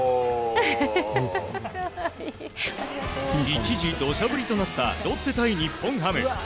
一時、土砂降りとなったロッテ対日本ハム。